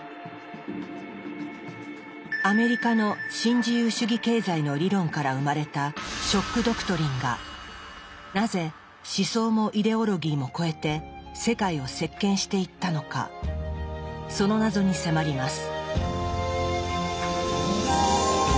アメリカの新自由主義経済の理論から生まれた「ショック・ドクトリン」がなぜ思想もイデオロギーも超えて世界を席巻していったのかその謎に迫ります。